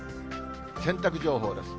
洗濯情報です。